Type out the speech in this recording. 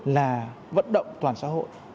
là vận động toàn xã hội